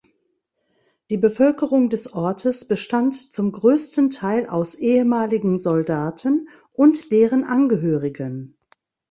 Die Bevölkerung des Ortes bestand zum größten Teil aus ehemaligen Soldaten und deren Angehörigen.